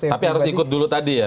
tapi harus ikut dulu tadi ya